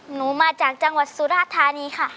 มาจากจังหวัดสุราธานีค่ะ